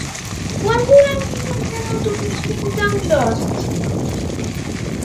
Quant dura el viatge en autobús fins a Olost?